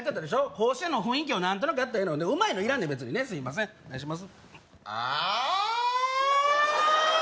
甲子園の雰囲気を何となくやったらええのうまいのいらんで別にねすいませんお願いします